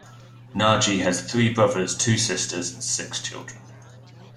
Najee has three brothers, two sisters and six children.